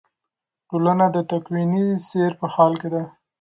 ټولنه د تکویني سیر په حال کې ده.